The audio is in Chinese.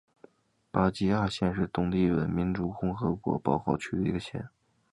巴吉亚县是东帝汶民主共和国包考区的一个县。